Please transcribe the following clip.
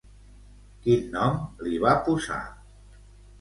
Quin nom li va posar?